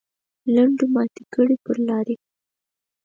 لنډو ماتې کړې پر لارې.